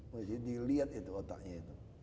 jadi dilihat itu otaknya itu